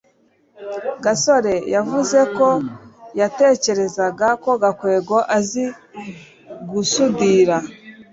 gasore yavuze ko yatekerezaga ko gakwego azi gusudira